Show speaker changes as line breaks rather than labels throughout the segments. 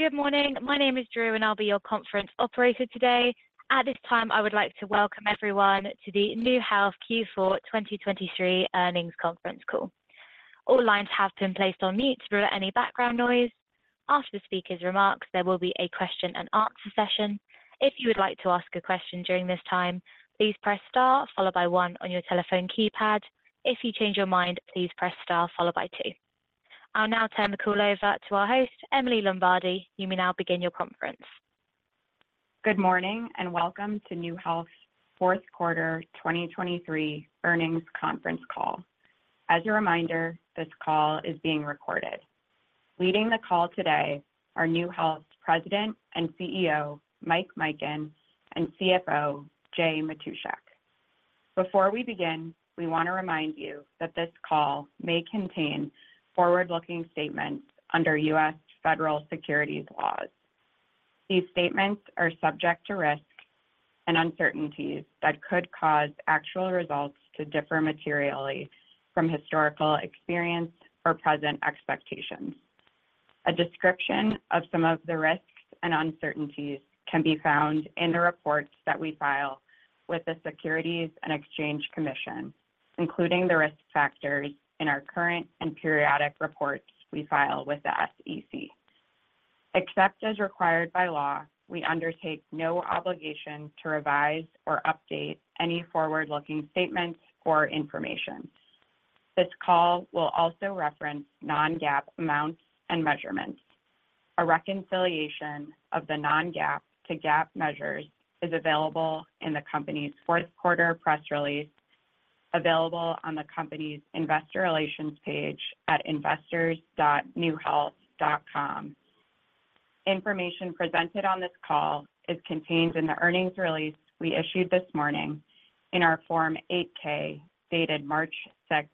Good morning. My name is Drew, and I'll be your conference operator today. At this time, I would like to welcome everyone to the NeueHealth Q4 2023 earnings conference call. All lines have been placed on mute to prevent any background noise. After the speaker's remarks, there will be a question-and-answer session. If you would like to ask a question during this time, please press Star, followed by one on your telephone keypad. If you change your mind, please press Star, followed by two. I'll now turn the call over to our host, Emily Lombardi. You may now begin your conference.
Good morning and welcome to NeueHealth's fourth quarter 2023 earnings conference call. As a reminder, this call is being recorded. Leading the call today are NeueHealth's President and CEO, Mike Mikan, and CFO, Jay Matushak. Before we begin, we want to remind you that this call may contain forward-looking statements under U.S. federal securities laws. These statements are subject to risk and uncertainties that could cause actual results to differ materially from historical experience or present expectations. A description of some of the risks and uncertainties can be found in the reports that we file with the Securities and Exchange Commission, including the risk factors in our current and periodic reports we file with the SEC. Except as required by law, we undertake no obligation to revise or update any forward-looking statements or information. This call will also reference non-GAAP amounts and measurements. A reconciliation of the non-GAAP to GAAP measures is available in the company's fourth quarter press release, available on the company's investor relations page at investors.neuehealth.com. Information presented on this call is contained in the earnings release we issued this morning in our Form 8-K dated March 6,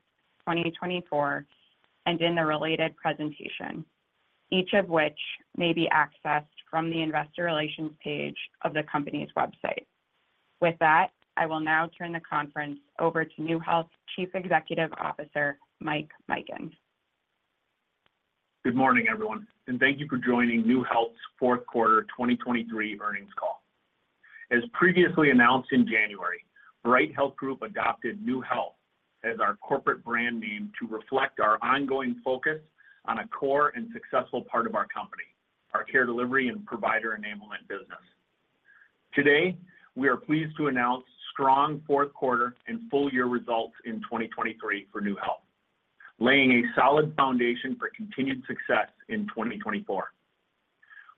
2024, and in the related presentation, each of which may be accessed from the investor relations page of the company's website. With that, I will now turn the conference over to NeueHealth's Chief Executive Officer, Mike Mikan.
Good morning, everyone, and thank you for joining NeueHealth's fourth quarter 2023 earnings call. As previously announced in January, Bright Health Group adopted NeueHealth as our corporate brand name to reflect our ongoing focus on a core and successful part of our company, our care delivery and provider enablement business. Today, we are pleased to announce strong fourth quarter and full-year results in 2023 for NeueHealth, laying a solid foundation for continued success in 2024.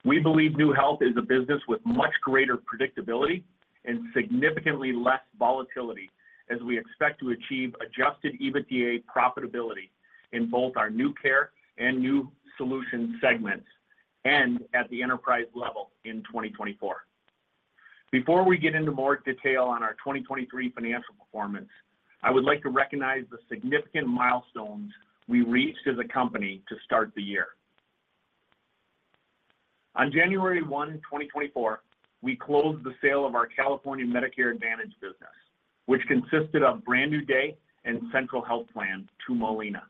We believe NeueHealth is a business with much greater predictability and significantly less volatility as we expect to achieve Adjusted EBITDA profitability in both our NeueCare and NeueSolutions segments and at the enterprise level in 2024. Before we get into more detail on our 2023 financial performance, I would like to recognize the significant milestones we reached as a company to start the year. On January 1, 2024, we closed the sale of our California Medicare Advantage business, which consisted of Brand New Day and Central Health Plan to Molina.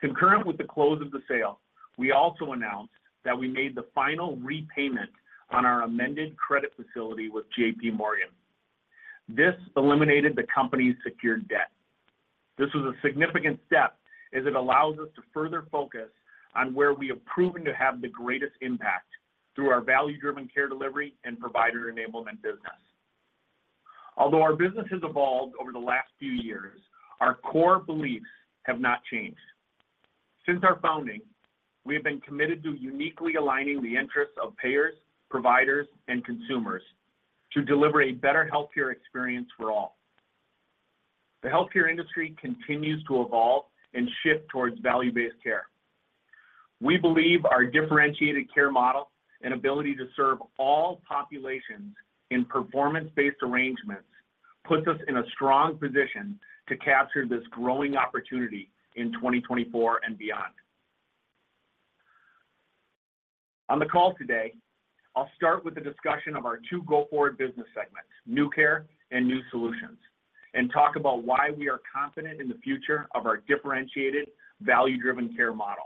Concurrent with the close of the sale, we also announced that we made the final repayment on our amended credit facility with J.P. Morgan. This eliminated the company's secured debt. This was a significant step as it allows us to further focus on where we have proven to have the greatest impact through our value-driven care delivery and provider enablement business. Although our business has evolved over the last few years, our core beliefs have not changed. Since our founding, we have been committed to uniquely aligning the interests of payers, providers, and consumers to deliver a better healthcare experience for all. The healthcare industry continues to evolve and shift towards value-based care. We believe our differentiated care model and ability to serve all populations in performance-based arrangements puts us in a strong position to capture this growing opportunity in 2024 and beyond. On the call today, I'll start with a discussion of our two go-forward business segments, NeueCare and NeueSolutions, and talk about why we are confident in the future of our differentiated, value-driven care model.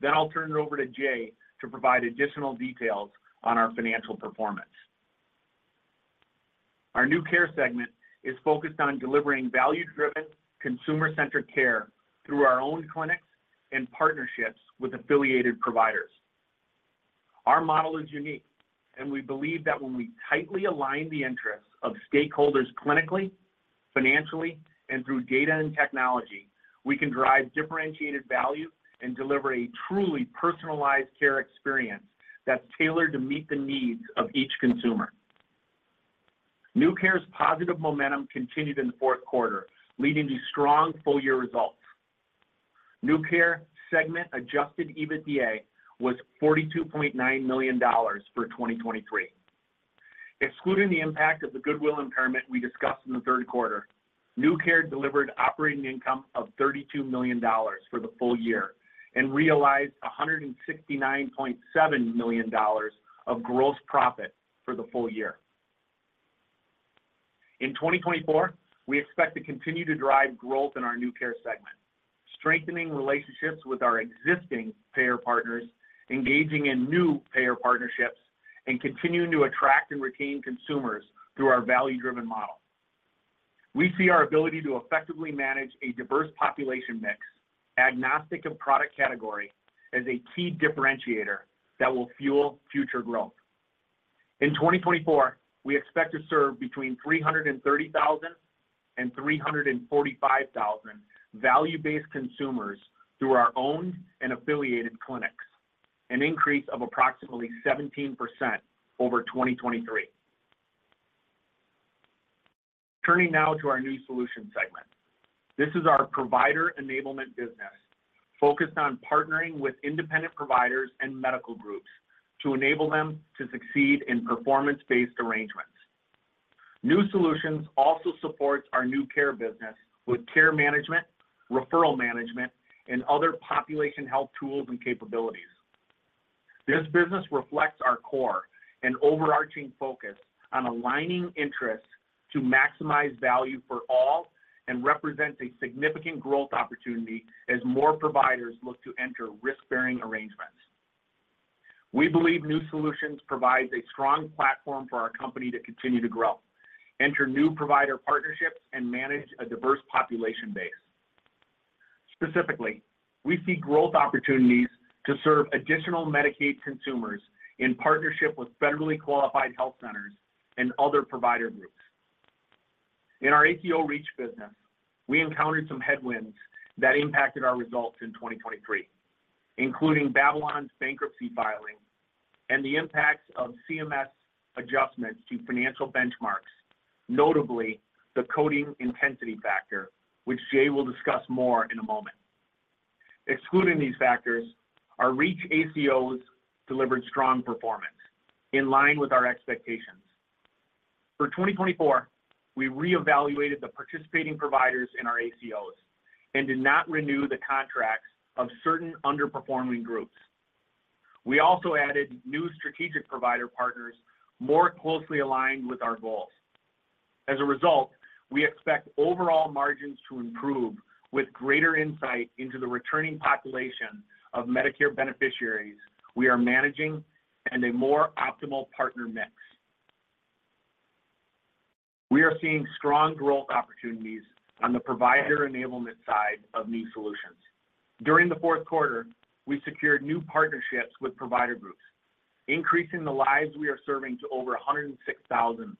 Then I'll turn it over to Jay to provide additional details on our financial performance. Our NeueCare segment is focused on delivering value-driven, consumer-centric care through our own clinics and partnerships with affiliated providers. Our model is unique, and we believe that when we tightly align the interests of stakeholders clinically, financially, and through data and technology, we can drive differentiated value and deliver a truly personalized care experience that's tailored to meet the needs of each consumer. NeueCare's positive momentum continued in the fourth quarter, leading to strong full-year results. NeueCare segment Adjusted EBITDA was $42.9 million for 2023. Excluding the impact of the goodwill impairment we discussed in the third quarter, NeueCare delivered operating income of $32 million for the full year and realized $169.7 million of gross profit for the full year. In 2024, we expect to continue to drive growth in our NeueCare segment, strengthening relationships with our existing payer partners, engaging in new payer partnerships, and continuing to attract and retain consumers through our value-driven model. We see our ability to effectively manage a diverse population mix, agnostic of product category, as a key differentiator that will fuel future growth. In 2024, we expect to serve between 330,000 and 345,000 value-based consumers through our owned and affiliated clinics, an increase of approximately 17% over 2023. Turning now to our NeueSolutions segment. This is our provider enablement business focused on partnering with independent providers and medical groups to enable them to succeed in performance-based arrangements. NeueSolutions also supports our NeueCare business with care management, referral management, and other population health tools and capabilities. This business reflects our core and overarching focus on aligning interests to maximize value for all and represents a significant growth opportunity as more providers look to enter risk-bearing arrangements. We believe NeueSolutions provides a strong platform for our company to continue to grow, enter new provider partnerships, and manage a diverse population base. Specifically, we see growth opportunities to serve additional Medicaid consumers in partnership with federally qualified health centers and other provider groups. In our ACO REACH business, we encountered some headwinds that impacted our results in 2023, including Babylon's bankruptcy filing and the impacts of CMS adjustments to financial benchmarks, notably the Coding Intensity Factor, which Jay will discuss more in a moment. Excluding these factors, our REACH ACOs delivered strong performance in line with our expectations. For 2024, we reevaluated the participating providers in our ACOs and did not renew the contracts of certain underperforming groups. We also added new strategic provider partners more closely aligned with our goals. As a result, we expect overall margins to improve with greater insight into the returning population of Medicare beneficiaries we are managing and a more optimal partner mix. We are seeing strong growth opportunities on the provider enablement side of NeueSolutions. During the fourth quarter, we secured new partnerships with provider groups, increasing the lives we are serving to over 106,000.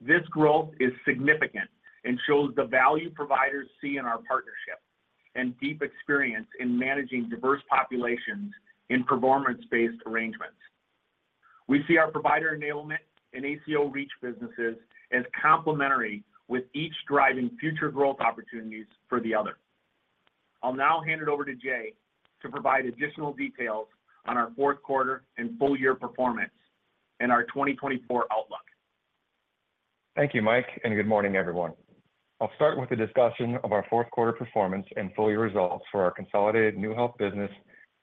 This growth is significant and shows the value providers see in our partnership and deep experience in managing diverse populations in performance-based arrangements. We see our provider enablement and ACO REACH businesses as complementary with each driving future growth opportunities for the other. I'll now hand it over to Jay to provide additional details on our fourth quarter and full-year performance and our 2024 outlook.
Thank you, Mike, and good morning, everyone. I'll start with a discussion of our fourth quarter performance and full-year results for our consolidated NeueHealth business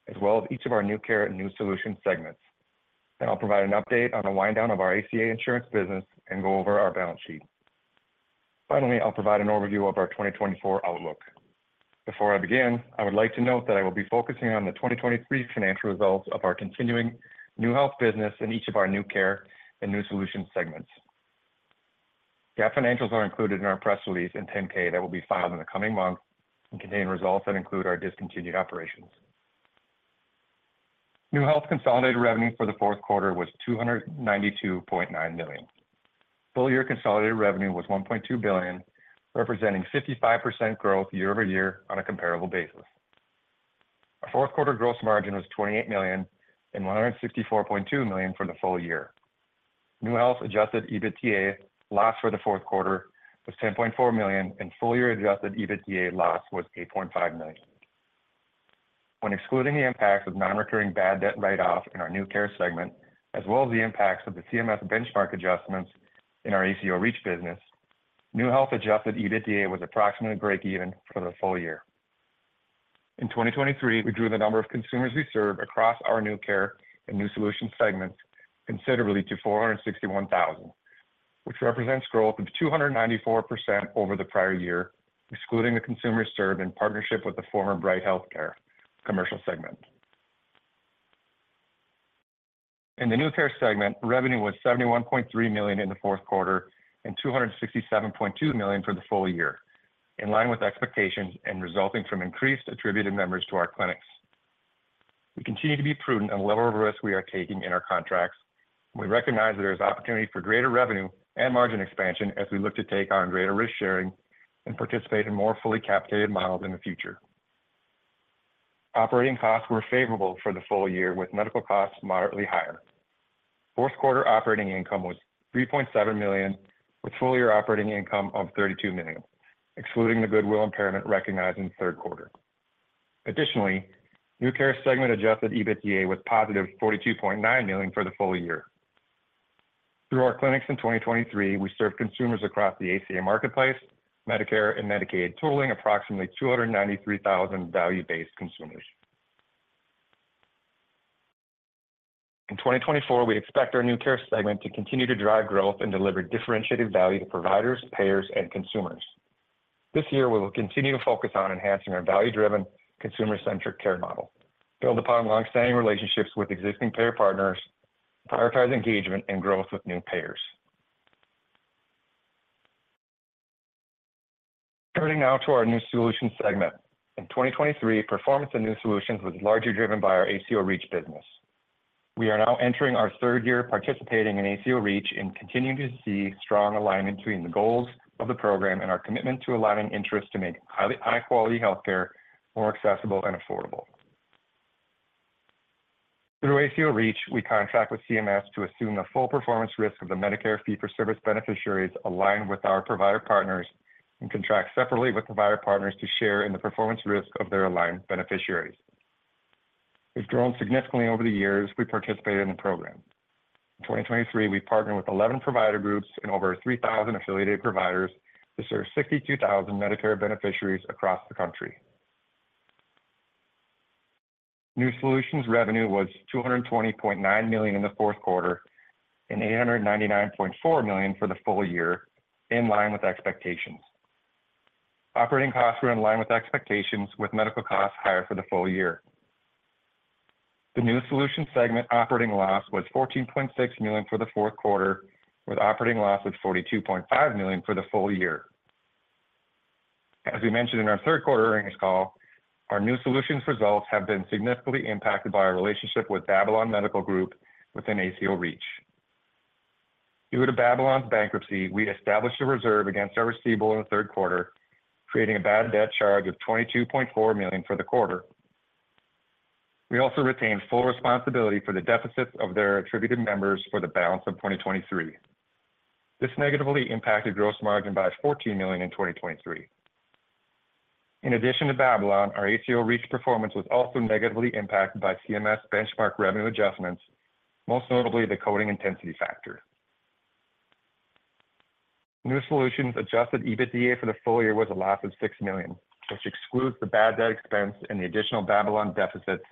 as well as each of our NeueCare and NeueSolutions segments. Then I'll provide an update on a wind-down of our ACA insurance business and go over our balance sheet. Finally, I'll provide an overview of our 2024 outlook. Before I begin, I would like to note that I will be focusing on the 2023 financial results of our continuing NeueHealth business in each of our NeueCare and NeueSolutions segments. GAAP financials are included in our press release and 10-K that will be filed in the coming months and contain results that include our discontinued operations. NeueHealth consolidated revenue for the fourth quarter was $292.9 million. Full-year consolidated revenue was $1.2 billion, representing 55% growth year-over-year on a comparable basis. Our fourth quarter gross margin was $28 million and $164.2 million for the full year. NeueHealth Adjusted EBITDA loss for the fourth quarter was $10.4 million, and full-year Adjusted EBITDA loss was $8.5 million. When excluding the impacts of non-recurring bad debt write-off in our NeueCare segment, as well as the impacts of the CMS benchmark adjustments in our ACO REACH business, NeueHealth Adjusted EBITDA was approximately break-even for the full year. In 2023, we drew the number of consumers we serve across our NeueCare and NeueSolutions segments considerably to 461,000, which represents growth of 294% over the prior year, excluding the consumers served in partnership with the former Bright HealthCare commercial segment. In the NeueCare segment, revenue was $71.3 million in the fourth quarter and $267.2 million for the full year, in line with expectations and resulting from increased attributed members to our clinics. We continue to be prudent on the level of risk we are taking in our contracts, and we recognize that there is opportunity for greater revenue and margin expansion as we look to take on greater risk-sharing and participate in more fully capitated models in the future. Operating costs were favorable for the full year, with medical costs moderately higher. Fourth quarter operating income was $3.7 million, with full-year operating income of $32 million, excluding the goodwill impairment recognized in the third quarter. Additionally, NeueCare segment Adjusted EBITDA was positive $42.9 million for the full year. Through our clinics in 2023, we served consumers across the ACA marketplace, Medicare, and Medicaid, totaling approximately 293,000 value-based consumers. In 2024, we expect our NeueCare segment to continue to drive growth and deliver differentiated value to providers, payers, and consumers. This year, we will continue to focus on enhancing our value-driven, consumer-centric care model, build upon longstanding relationships with existing payer partners, prioritize engagement, and growth with new payers. Turning now to our NeueSolutions segment. In 2023, performance in NeueSolutions was largely driven by our ACO REACH business. We are now entering our third year participating in ACO REACH and continuing to see strong alignment between the goals of the program and our commitment to aligning interests to make high-quality healthcare more accessible and affordable. Through ACO REACH, we contract with CMS to assume the full performance risk of the Medicare fee-for-service beneficiaries aligned with our provider partners and contract separately with provider partners to share in the performance risk of their aligned beneficiaries. We've grown significantly over the years we participated in the program. In 2023, we partnered with 11 provider groups and over 3,000 affiliated providers to serve 62,000 Medicare beneficiaries across the country. NeueSolutions revenue was $220.9 million in the fourth quarter and $899.4 million for the full year, in line with expectations. Operating costs were in line with expectations, with medical costs higher for the full year. The NeueSolutions segment operating loss was $14.6 million for the fourth quarter, with operating loss of $42.5 million for the full year. As we mentioned in our third quarter earnings call, our NeueSolutions results have been significantly impacted by our relationship with Babylon Medical Group within ACO REACH. Due to Babylon's bankruptcy, we established a reserve against our receivable in the third quarter, creating a bad debt charge of $22.4 million for the quarter. We also retained full responsibility for the deficits of their attributed members for the balance of 2023. This negatively impacted gross margin by $14 million in 2023. In addition to Babylon, our ACO REACH performance was also negatively impacted by CMS benchmark revenue adjustments, most notably the Coding Intensity Factor. NeueSolutions Adjusted EBITDA for the full year was a loss of $6 million, which excludes the bad debt expense and the additional Babylon deficits,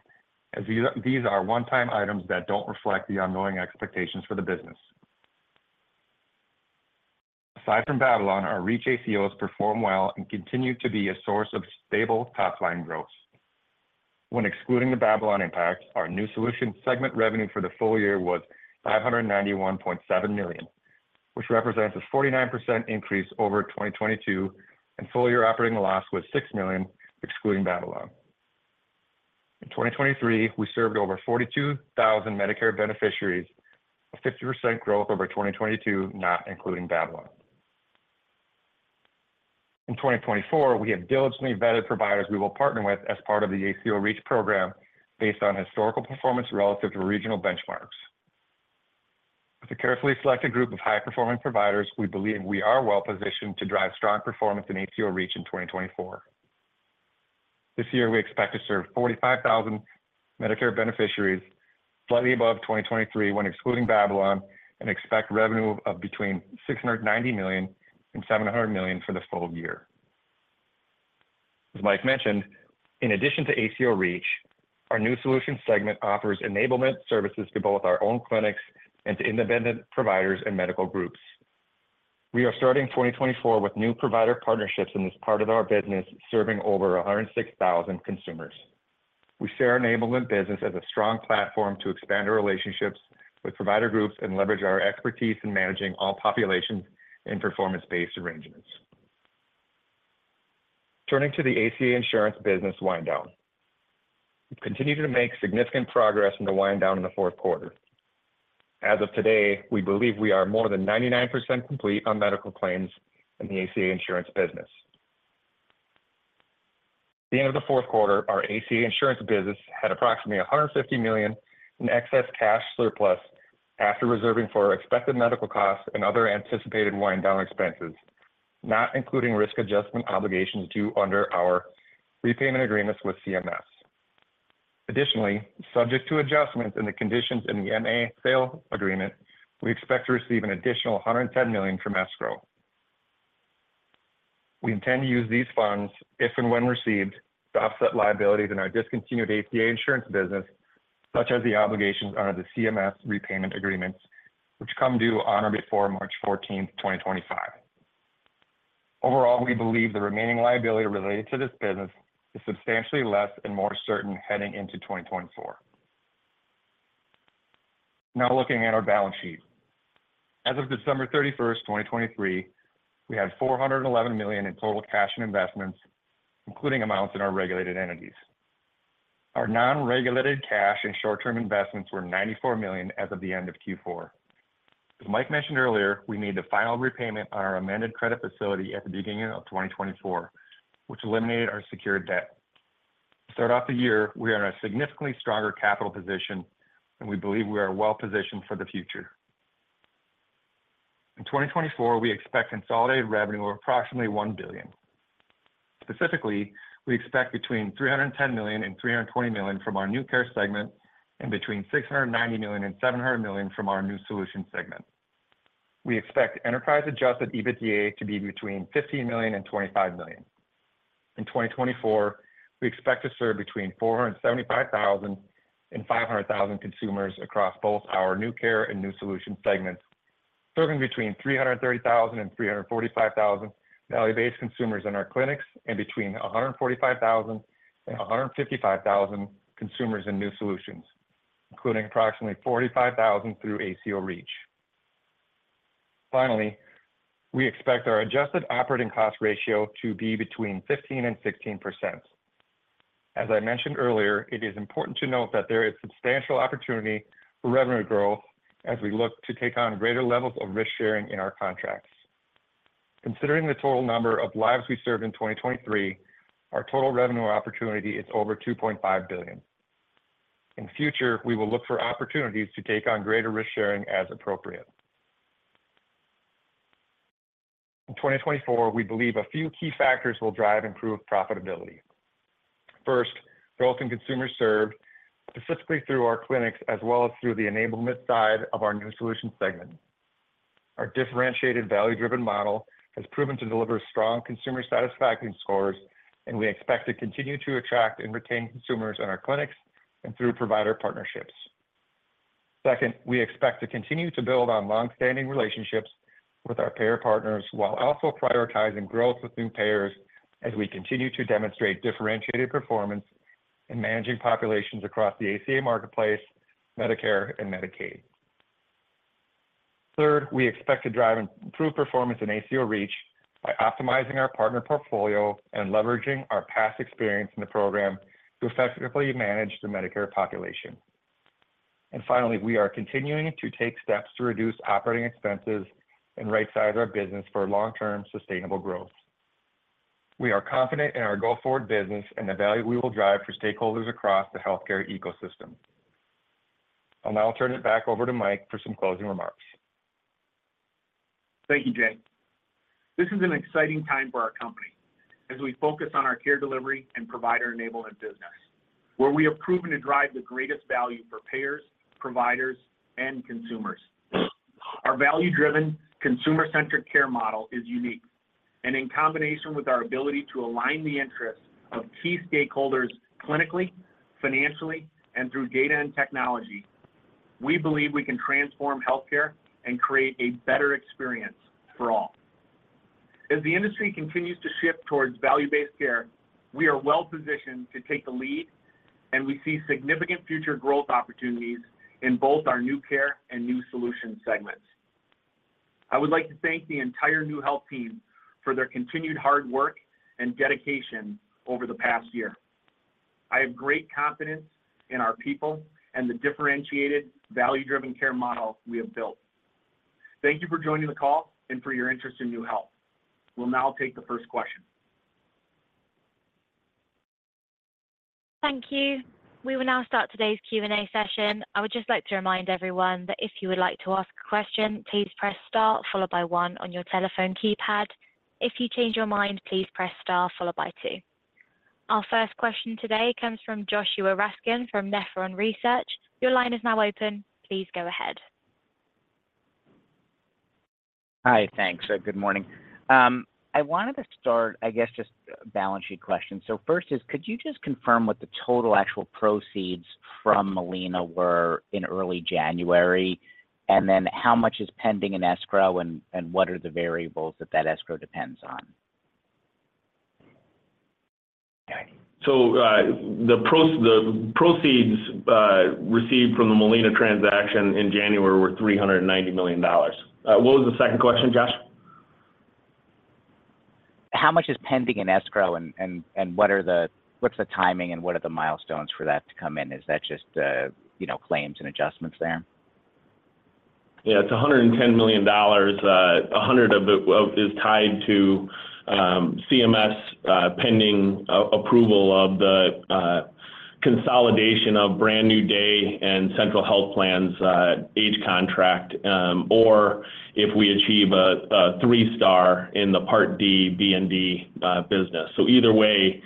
as these are one-time items that don't reflect the ongoing expectations for the business. Aside from Babylon, our REACH ACOs perform well and continue to be a source of stable top-line growth. When excluding the Babylon impact, our NeueSolutions segment revenue for the full year was $591.7 million, which represents a 49% increase over 2022, and full-year operating loss was $6 million, excluding Babylon. In 2023, we served over 42,000 Medicare beneficiaries, a 50% growth over 2022 not including Babylon. In 2024, we have diligently vetted providers we will partner with as part of the ACO REACH program based on historical performance relative to regional benchmarks. With a carefully selected group of high-performing providers, we believe we are well-positioned to drive strong performance in ACO REACH in 2024. This year, we expect to serve 45,000 Medicare beneficiaries, slightly above 2023 when excluding Babylon, and expect revenue of between $690 million-$700 million for the full year. As Mike mentioned, in addition to ACO REACH, our NeueSolutions segment offers enablement services to both our own clinics and to independent providers and medical groups. We are starting 2024 with new provider partnerships in this part of our business serving over 106,000 consumers. We share our enablement business as a strong platform to expand our relationships with provider groups and leverage our expertise in managing all populations in performance-based arrangements. Turning to the ACA insurance business wind-down. We've continued to make significant progress in the wind-down in the fourth quarter. As of today, we believe we are more than 99% complete on medical claims in the ACA insurance business. At the end of the fourth quarter, our ACA insurance business had approximately $150 million in excess cash surplus after reserving for expected medical costs and other anticipated wind-down expenses, not including risk adjustment obligations due under our repayment agreements with CMS. Additionally, subject to adjustments in the conditions in the MA sale agreement, we expect to receive an additional $110 million from escrow. We intend to use these funds, if and when received, to offset liabilities in our discontinued ACA insurance business, such as the obligations under the CMS repayment agreements, which come due on or before March 14, 2025. Overall, we believe the remaining liability related to this business is substantially less and more certain heading into 2024. Now looking at our balance sheet. As of December 31, 2023, we had $411 million in total cash and investments, including amounts in our regulated entities. Our non-regulated cash and short-term investments were $94 million as of the end of Q4. As Mike mentioned earlier, we made the final repayment on our amended credit facility at the beginning of 2024, which eliminated our secured debt. To start off the year, we are in a significantly stronger capital position, and we believe we are well-positioned for the future. In 2024, we expect consolidated revenue of approximately $1 billion. Specifically, we expect between $310 million and $320 million from our NeueCare segment and between $690 million and $700 million from our NeueSolutions segment. We expect enterprise-adjusted EBITDA to be between $15 million and $25 million. In 2024, we expect to serve between 475,000 and 500,000 consumers across both our NeueCare and NeueSolutions segments, serving between 330,000 and 345,000 value-based consumers in our clinics and between 145,000 and 155,000 consumers in NeueSolutions, including approximately 45,000 through ACO REACH. Finally, we expect our adjusted operating cost ratio to be between 15%-16%. As I mentioned earlier, it is important to note that there is substantial opportunity for revenue growth as we look to take on greater levels of risk-sharing in our contracts. Considering the total number of lives we served in 2023, our total revenue opportunity is over $2.5 billion. In future, we will look for opportunities to take on greater risk-sharing as appropriate. In 2024, we believe a few key factors will drive improved profitability. First, growth in consumers served, specifically through our clinics as well as through the enablement side of our NeueSolutions segment. Our differentiated value-driven model has proven to deliver strong consumer satisfaction scores, and we expect to continue to attract and retain consumers in our clinics and through provider partnerships. Second, we expect to continue to build on longstanding relationships with our payer partners while also prioritizing growth with new payers as we continue to demonstrate differentiated performance in managing populations across the ACA marketplace, Medicare, and Medicaid. Third, we expect to drive improved performance in ACO REACH by optimizing our partner portfolio and leveraging our past experience in the program to effectively manage the Medicare population. And finally, we are continuing to take steps to reduce operating expenses and right-size our business for long-term sustainable growth. We are confident in our go-forward business and the value we will drive for stakeholders across the healthcare ecosystem. I'll now turn it back over to Mike for some closing remarks.
Thank you, Jay. This is an exciting time for our company as we focus on our care delivery and provider enablement business, where we have proven to drive the greatest value for payers, providers, and consumers. Our value-driven, consumer-centric care model is unique, and in combination with our ability to align the interests of key stakeholders clinically, financially, and through data and technology, we believe we can transform healthcare and create a better experience for all. As the industry continues to shift towards value-based care, we are well-positioned to take the lead, and we see significant future growth opportunities in both our NeueCare and NeueSolutions segments. I would like to thank the entire NeueHealth team for their continued hard work and dedication over the past year. I have great confidence in our people and the differentiated, value-driven care model we have built. Thank you for joining the call and for your interest in NeueHealth. We'll now take the first question.
Thank you. We will now start today's Q&A session. I would just like to remind everyone that if you would like to ask a question, please press Star followed by one on your telephone keypad. If you change your mind, please press Star followed by two. Our first question today comes from Joshua Raskin from Nephron Research. Your line is now open. Please go ahead.
Hi. Thanks. Good morning. I wanted to start, I guess, just a balance sheet question. So first is, could you just confirm what the total actual proceeds from Molina were in early January, and then how much is pending in escrow, and what are the variables that that escrow depends on?
The proceeds received from the Molina transaction in January were $390 million. What was the second question, Josh?
How much is pending in escrow, and what's the timing, and what are the milestones for that to come in? Is that just claims and adjustments there?
Yeah. It's $110 million. $100 of it is tied to CMS pending approval of the consolidation of Brand New Day and Central Health Plan's ACO contract, or if we achieve a three-star in the Part C and D business. So either way,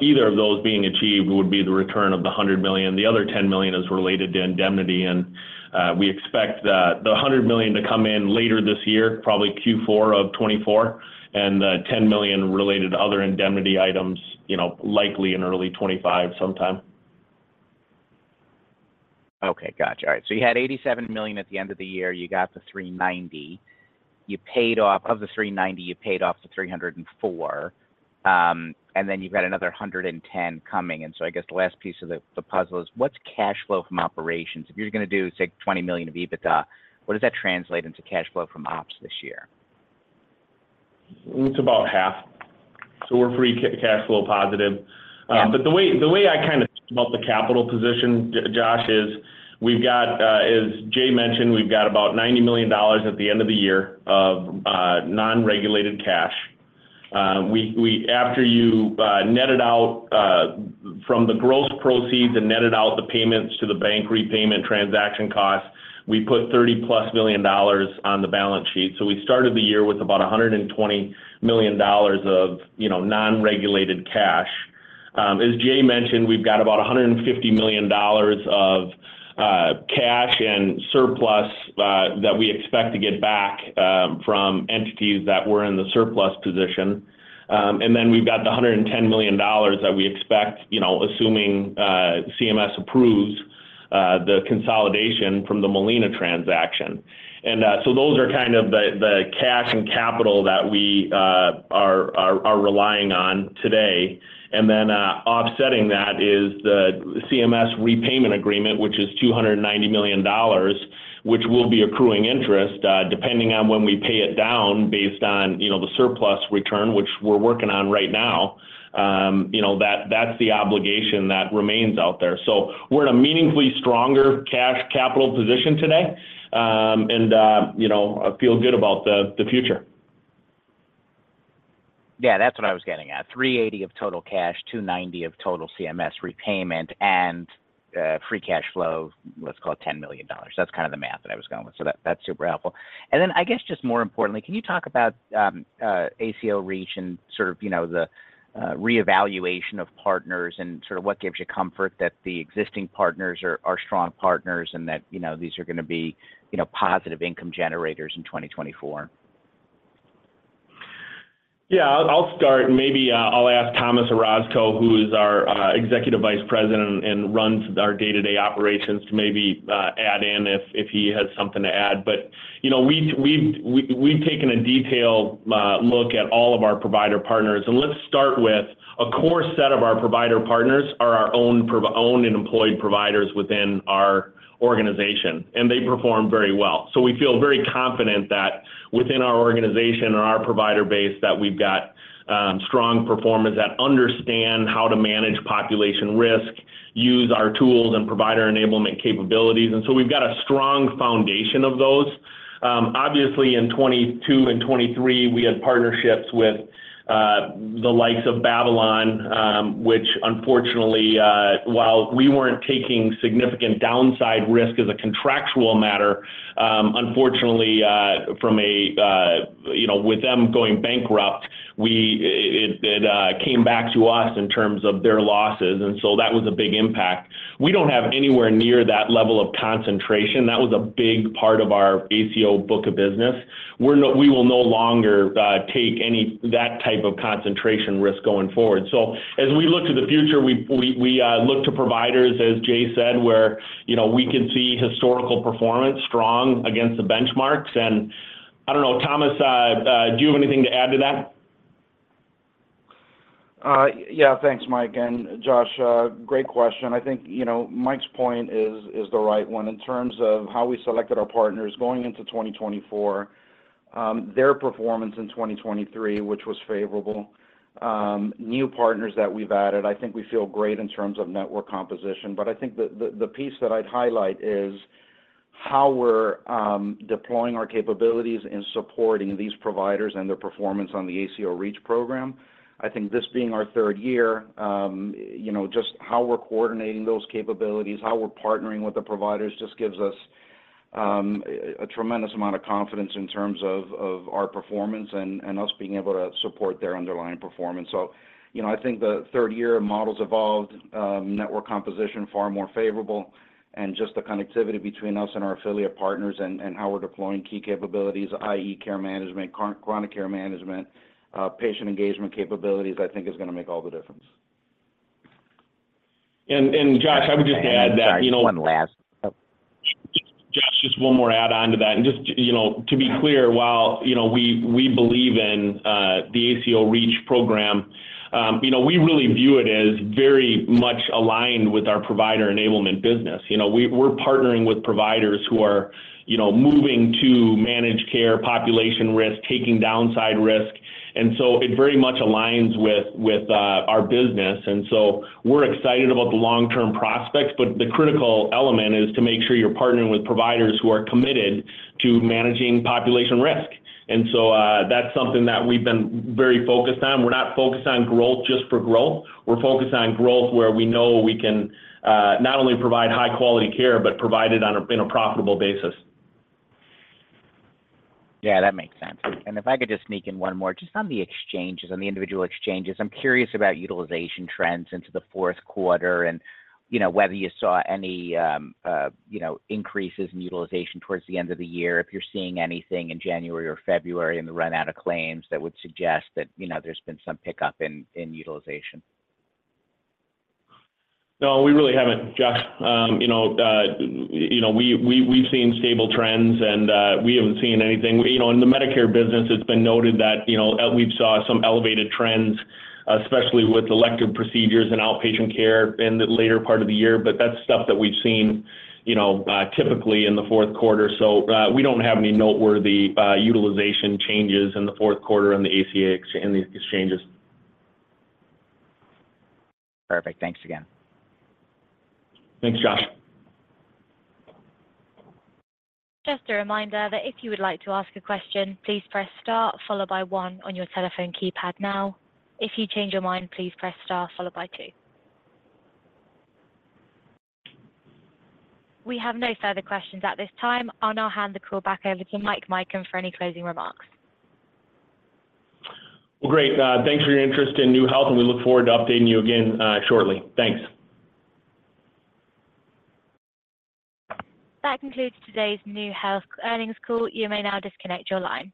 either of those being achieved would be the return of the $100 million. The other $10 million is related to indemnity, and we expect the $100 million to come in later this year, probably Q4 of 2024, and the $10 million related to other indemnity items likely in early 2025 sometime.
Okay. Gotcha. All right. So you had $87 million at the end of the year. You got the $390 million. Of the $390 million, you paid off the $304 million, and then you've got another $110 million coming. So I guess the last piece of the puzzle is, what's cash flow from operations? If you're going to do, say, $20 million of EBITDA, what does that translate into cash flow from ops this year?
It's about half. So we're free cash flow positive. But the way I kind of think about the capital position, Josh, is, as Jay mentioned, we've got about $90 million at the end of the year of non-regulated cash. After you netted out from the gross proceeds and netted out the payments to the bank repayment transaction costs, we put $30+ million on the balance sheet. So we started the year with about $120 million of non-regulated cash. As Jay mentioned, we've got about $150 million of cash and surplus that we expect to get back from entities that were in the surplus position. And then we've got the $110 million that we expect, assuming CMS approves the consolidation from the Molina transaction. And so those are kind of the cash and capital that we are relying on today. And then offsetting that is the CMS repayment agreement, which is $290 million, which will be accruing interest depending on when we pay it down based on the surplus return, which we're working on right now. That's the obligation that remains out there. So we're in a meaningfully stronger cash capital position today and feel good about the future.
Yeah. That's what I was getting at. $380 million of total cash, $290 million of total CMS repayment, and free cash flow, let's call it $10 million. That's kind of the math that I was going with. So that's super helpful. Then I guess just more importantly, can you talk about ACO REACH and sort of the reevaluation of partners and sort of what gives you comfort that the existing partners are strong partners and that these are going to be positive income generators in 2024?
Yeah. I'll start. Maybe I'll ask Tomas Orozco, who is our Executive Vice President and runs our day-to-day operations, to maybe add in if he has something to add. But we've taken a detailed look at all of our provider partners. Let's start with a core set of our provider partners are our own and employed providers within our organization, and they perform very well. So we feel very confident that within our organization and our provider base that we've got strong performers that understand how to manage population risk, use our tools and provider enablement capabilities. So we've got a strong foundation of those. Obviously, in 2022 and 2023, we had partnerships with the likes of Babylon, which, unfortunately, while we weren't taking significant downside risk as a contractual matter, unfortunately, with them going bankrupt, it came back to us in terms of their losses. And so that was a big impact. We don't have anywhere near that level of concentration. That was a big part of our ACO book of business. We will no longer take any of that type of concentration risk going forward. So as we look to the future, we look to providers, as Jay said, where we can see historical performance strong against the benchmarks. And I don't know, Tomas, do you have anything to add to that?
Yeah. Thanks, Mike. And Josh, great question. I think Mike's point is the right one. In terms of how we selected our partners going into 2024, their performance in 2023, which was favorable, new partners that we've added, I think we feel great in terms of network composition. But I think the piece that I'd highlight is how we're deploying our capabilities and supporting these providers and their performance on the ACO REACH program. I think this being our third year, just how we're coordinating those capabilities, how we're partnering with the providers just gives us a tremendous amount of confidence in terms of our performance and us being able to support their underlying performance. I think the third year, models evolved, network composition far more favorable, and just the connectivity between us and our affiliate partners and how we're deploying key capabilities, i.e., care management, chronic care management, patient engagement capabilities, I think is going to make all the difference.
Josh, I would just add that.
Josh, just one last.
Josh, just one more add-on to that. And just to be clear, while we believe in the ACO REACH program, we really view it as very much aligned with our provider enablement business. We're partnering with providers who are moving to manage care population risk, taking downside risk. And so it very much aligns with our business. And so we're excited about the long-term prospects, but the critical element is to make sure you're partnering with providers who are committed to managing population risk. And so that's something that we've been very focused on. We're not focused on growth just for growth. We're focused on growth where we know we can not only provide high-quality care but provide it on a profitable basis.
Yeah. That makes sense. If I could just sneak in one more, just on the individual exchanges, I'm curious about utilization trends into the fourth quarter and whether you saw any increases in utilization towards the end of the year, if you're seeing anything in January or February in the run-out of claims that would suggest that there's been some pickup in utilization.
No. We really haven't, Josh. We've seen stable trends, and we haven't seen anything. In the Medicare business, it's been noted that we've saw some elevated trends, especially with elective procedures and outpatient care in the later part of the year. But that's stuff that we've seen typically in the fourth quarter. So we don't have any noteworthy utilization changes in the fourth quarter in the ACA exchanges.
Perfect. Thanks again.
Thanks, Josh.
Just a reminder that if you would like to ask a question, please press star followed by one on your telephone keypad now. If you change your mind, please press star followed by two. We have no further questions at this time. Now, handing the call back over to Mike Mikan for any closing remarks.
Well, great. Thanks for your interest in NeueHealth, and we look forward to updating you again shortly. Thanks.
That concludes today's NeueHealth earnings call. You may now disconnect your line.